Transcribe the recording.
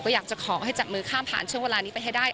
อยากจะขอให้จับมือข้ามผ่านช่วงเวลานี้ไปให้ได้